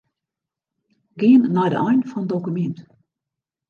Gean nei de ein fan dokumint.